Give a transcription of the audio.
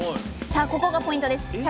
さあここがポイントです！